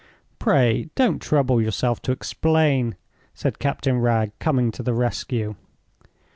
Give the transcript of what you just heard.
"Pray don't trouble yourself to explain," said Captain Wragge, coming to the rescue.